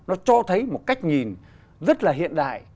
nó cho thấy một cách nhìn rất là hiện đại